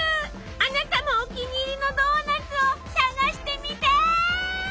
あなたもお気に入りのドーナツを探してみて！